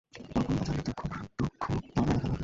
এ রকম ম্যাচ হারলে দুঃখ টুঃখও তেমন হয় না খেলোয়াড়দের।